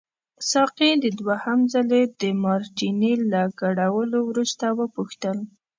ساقي د دوهم ځلي د مارټیني له ګډولو وروسته وپوښتل.